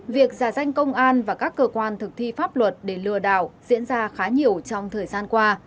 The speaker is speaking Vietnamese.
việc giả danh công an và các cơ quan thực thi pháp luật để lừa đảo diễn ra khá nhiều trong thời gian qua